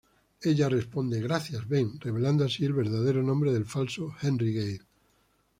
Ella responde "Gracias, Ben", revelando así el verdadero nombre del falso Henry Gale.